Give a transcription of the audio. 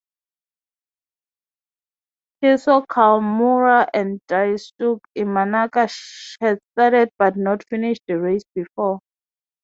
Kisso Kawamuro and Daisuke Imanaka had started but not finished the race before.